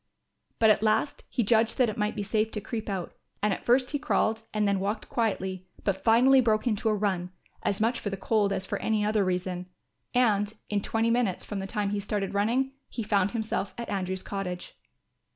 But at last he judged that it might be safe to creep out, and at first he crawled and then walked quietly, but finally broke into a run, as much for the cold as for any other reason; and, in twenty minutes from the time he started running, he found himself at Andrew's cottage.